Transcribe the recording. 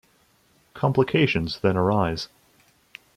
Complications then arise.